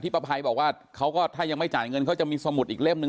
ประภัยบอกว่าเขาก็ถ้ายังไม่จ่ายเงินเขาจะมีสมุดอีกเล่มนึ